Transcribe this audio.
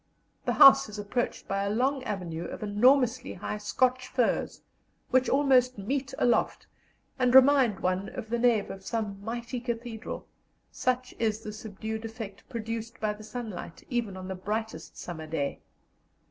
The house is approached by a long avenue of enormously high Scotch firs, which almost meet aloft, and remind one of the nave of some mighty cathedral, such is the subdued effect produced by the sunlight even on the brightest summer day.